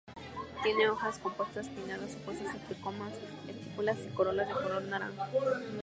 Tiene hojas compuestas pinnadas, opuestas y tricomas, estípulas y corolas de color naranja.